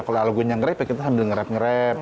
kalau lagunya ngerepek kita ambil ngerep ngerep